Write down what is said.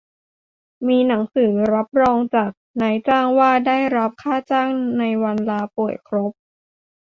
มีหนังสือรับรองจากนายจ้างว่าได้รับค่าจ้างในวันลาป่วยครบ